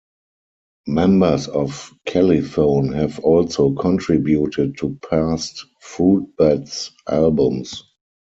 Members of Califone have also contributed to past Fruit Bats albums.